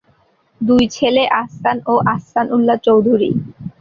দুই ছেলে আহসান ও আহসান উল্লাহ চৌধুরী।